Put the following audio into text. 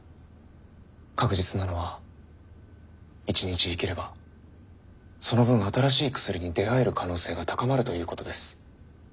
確実なのは一日生きればその分新しい薬に出会える可能性が高まるということです。